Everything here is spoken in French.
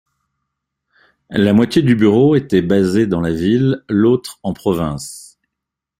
La moitié du bureau était basée dans la ville, l'autre en province.